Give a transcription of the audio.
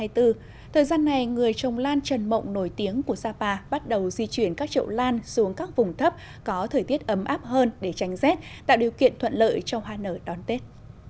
thời gian này người trồng lan trần mộng nổi tiếng của sapa bắt đầu di chuyển các trậu lan xuống các vùng thấp có thời tiết ấm áp hơn để tránh rét tạo điều kiện thuận lợi cho hoa nở đón tết